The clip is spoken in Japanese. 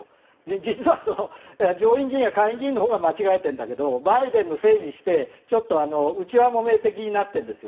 実は上院議員や下院議員が間違えているけどバイデンのせいにして内輪もめ的になってるんですよ。